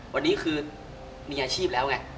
วันนี้คือมีอาชีพแล้วไง